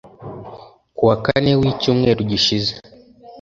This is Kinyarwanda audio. Ku wa Kane w’ icyumweru gishize